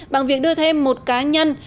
bằng việc đưa thêm một cá nhân